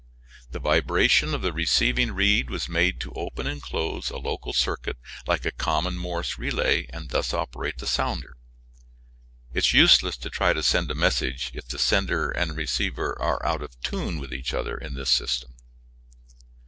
The vibration of the receiving reed was made to open and close a local circuit like a common Morse relay and thus operate the sounder. It is useless to try to send a message if the sender and receiver are out of tune with each other in this system.